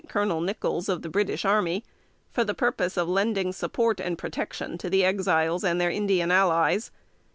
Colonel Nichols, of the British Army, for the purpose of lending support and protection to the Exiles and their Indian allies.